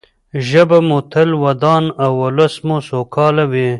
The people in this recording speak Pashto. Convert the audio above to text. ژبه مو تل ودان او ولس مو سوکاله وي.